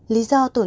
lý do tổn thương